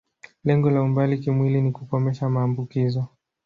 Lengo la umbali kimwili ni kukomesha maambukizo.